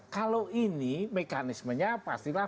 kalau ini mekanismenya pastilah